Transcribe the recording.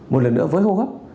một lần nữa với hô hấp